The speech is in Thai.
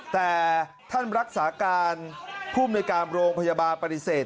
แต่ท่านรักษาการภูมิในการโรงพยาบาลปฏิเสธ